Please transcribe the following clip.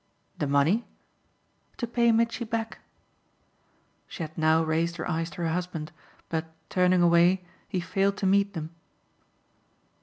"The money?" "To pay Mitchy back." She had now raised her eyes to her husband, but, turning away, he failed to meet them.